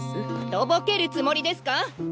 とぼけるつもりですか？